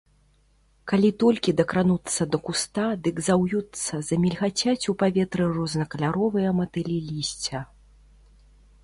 Калі толькі дакрануцца да куста, дык заўюцца, замільгацяць у паветры рознакаляровыя матылі лісця.